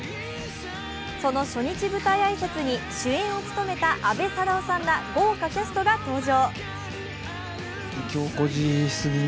その初日舞台挨拶に主演を務めた阿部サダヲさんら豪華キャストが登場。